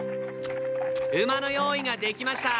馬の用意ができました。